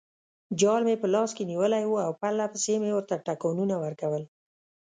جال مې په لاس کې نیولی وو او پرلپسې مې ورته ټکانونه ورکول.